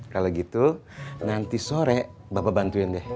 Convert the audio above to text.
kalau gitu nanti sore bapak bantuin deh